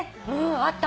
あった？